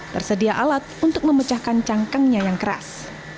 tersedia alat untuk memecahkan cangkangnya yang keras